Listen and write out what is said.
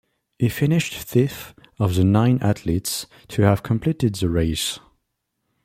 He finished fifth of the nine athletes to have completed the race.